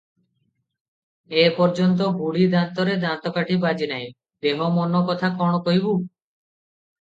ଏ ପର୍ଯ୍ୟନ୍ତ ବୁଢ଼ୀ ଦାନ୍ତରେ ଦାନ୍ତକାଠି ବାଜି ନାହିଁ, ଦେହ ମନ କଥା କ’ଣ କହିବୁଁ?